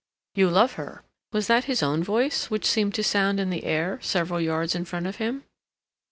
"You love her." Was that his own voice, which seemed to sound in the air several yards in front of him?